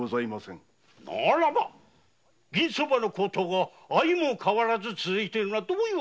ならば銀相場の高騰が相変わらず続いているのは何ゆえじゃ！